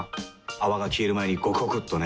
泡が消える前にゴクゴクっとね。